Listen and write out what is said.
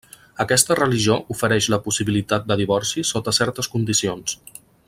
Aquesta religió ofereix la possibilitat de divorci sota certes condicions.